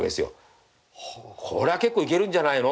これは結構いけるんじゃないの。